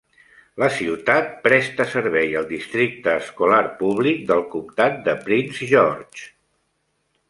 La ciutat presta servei al districte escolar públic del comptat de Prince George.